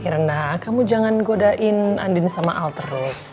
karena kamu jangan godain andin sama al terus